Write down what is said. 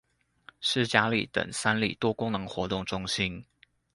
十甲里等三里多功能活動中心